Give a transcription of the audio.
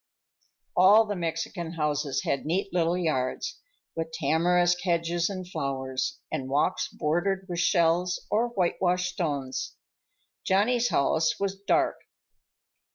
All the Mexican houses had neat little yards, with tamarisk hedges and flowers, and walks bordered with shells or whitewashed stones. Johnny's house was dark.